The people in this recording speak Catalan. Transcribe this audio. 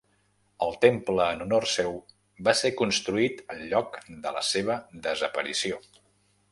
El temple en honor seu va ser construït al lloc de la seva desaparició.